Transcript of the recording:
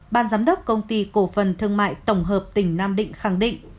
ban giám đốc công ty cổ phần thương mại tổng hợp tỉnh nam định khẳng định